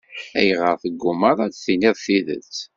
Ayɣer i teggummaḍ ad d-tiniḍ tidet?